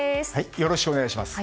よろしくお願いします。